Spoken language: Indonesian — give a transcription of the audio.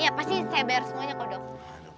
iya pasti saya bayar semuanya kok dok